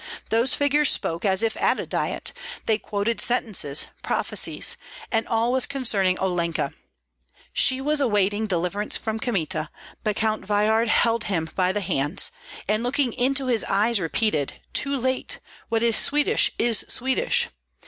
Those figures spoke, as if at a diet, they quoted sentences, prophecies; and all was concerning Olenka. She was awaiting deliverance from Kmita; but Count Veyhard held him by the arms, and looking into his eyes repeated: "Too late! what is Swedish is Swedish!"